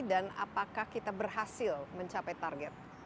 dan apakah kita berhasil mencapai target